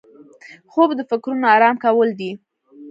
خوب د فکرونو آرام کول دي